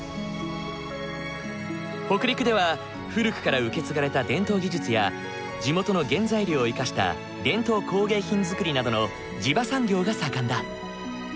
北陸では古くから受け継がれた伝統技術や地元の原材料を生かした伝統工芸品作りなどの地場産業が盛んだ。